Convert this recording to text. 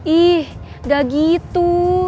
ih gak gitu